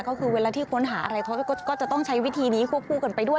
ก็คือเวลาที่ค้นหาอะไรเขาก็จะต้องใช้วิธีนี้ควบคู่กันไปด้วย